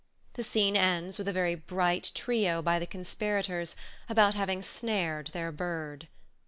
The scene ends with a very bright trio by the conspirators about having snared their bird.